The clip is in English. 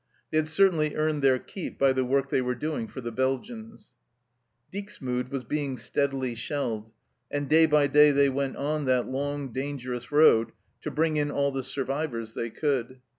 They had certainly earned their keep by the work they were doing for the Belgians. Dixmude was being steadily shelled, and day by day they went on that long, dangerous road to bring in all the survivors they could.